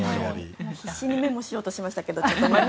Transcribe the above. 私もメモしようとしましたけど。